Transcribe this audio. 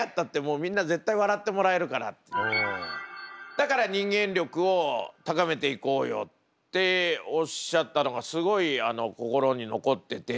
「だから人間力を高めていこうよ」っておっしゃったのがすごい心に残ってて。